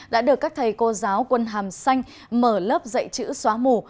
đã được các thầy cô giáo quân hàm xanh mở lớp dạy chữ xóa mù